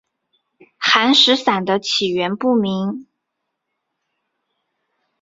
寒食散的起源不明。